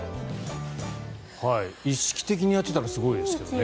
意識的にやってたらすごいですけどね。